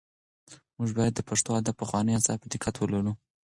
موږ باید د پښتو ادب پخواني اثار په دقت ولولو.